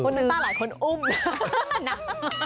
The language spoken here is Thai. น้ำตาไหล่คนอุ้ม